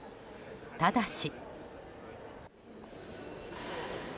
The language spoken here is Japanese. ただし。